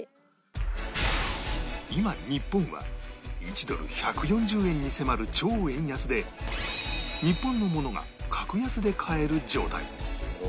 今日本は１ドル１４０円に迫る超円安で日本の物が格安で買える状態